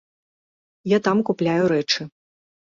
Я там купляю рэчы.